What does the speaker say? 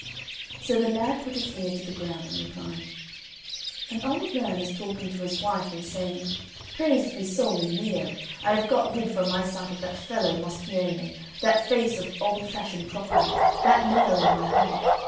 So the lad put his ear to the ground, and replied, "An old man is talking to his wife, and saying, 'Praised be Sol in Leo! I have got rid from my sight of that fellow Moscione, that face of old fashioned crockery, that nail in my heart.